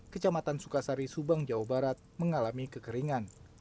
kecamatan sukasari subang jawa barat mengalami kekeringan